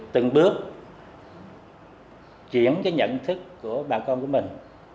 từng bước chuyển cái nhận thức của bà con của mình